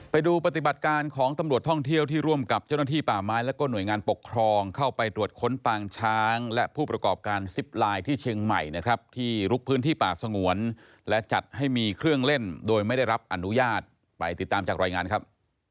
ไปดูปฏิบัติการของตำรวจท่องเที่ยวที่ร่วมกับเจ้าหน้าที่ป่าไม้และก็หน่วยงานปกครองเข้าไปตรวจค้นปางช้างและผู้ประกอบการซิปไลน์ที่เชียงใหม่นะครับที่ลุกพื้นที่ป่าสงวนและจัดให้มีเครื่องเล่นโดยไม่ได้รับอนุญาตไปติดตามจากรายงานครับ